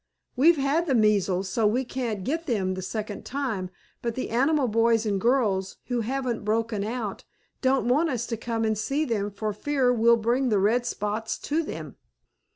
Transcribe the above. We've had the measles, so we can't get them the second time, but the animal boys and girls, who haven't broken out, don't want us to come and see them for fear we'll bring the red spots to them."